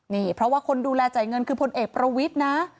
นี่เพราะว่าคนดูแลจ่ายเงินคือพลเอกประวิทย์นะ